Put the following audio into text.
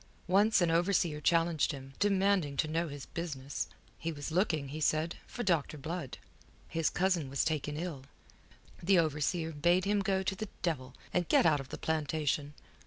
Once an overseer challenged him, demanding to know his business. He was looking, he said, for Dr. Blood. His cousin was taken ill. The overseer bade him go to the devil, and get out of the plantation.